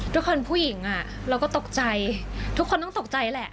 ทุกคนผู้หญิงเราก็ตกใจทุกคนต้องตกใจแหละ